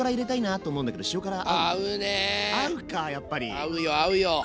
合うよ合うよ。